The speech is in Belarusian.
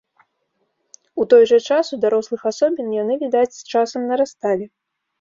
У той жа час у дарослых асобін, яны, відаць, з часам зарасталі.